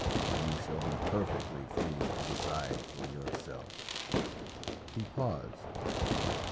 You shall be perfectly free to decide for yourself." He paused.